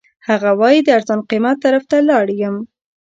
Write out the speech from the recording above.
هغه وایي د ارزان قیمت طرف ته لاړ یم.